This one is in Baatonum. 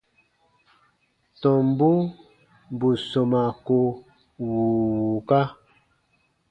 Tɔmbu bù sɔmaa ko wùu wùuka.